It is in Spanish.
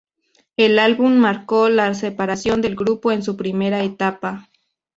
El álbum marcó la separación del grupo en su primera etapa.